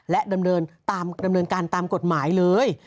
และดำเนินการตามกฎหมายเลย